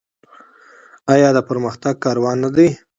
آیا د پرمختګ کاروان نه دی؟